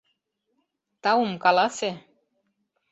Таум каласе...